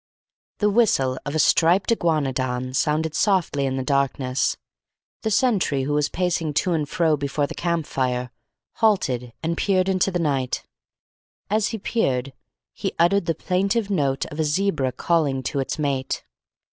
The whistle of a Striped Iguanodon sounded softly in the darkness. The sentry, who was pacing to and fro before the camp fire, halted, and peered into the night. As he peered, he uttered the plaintive note of a zebra calling to its mate.